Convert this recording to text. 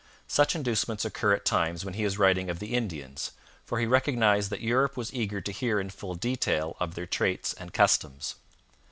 Such inducements occur at times when he is writing of the Indians, for he recognized that Europe was eager to hear in full detail of their traits and customs.